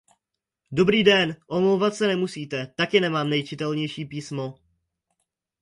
Dobrý den, omlouvat se nemusíte, taky nemám nejčitelnější písmo.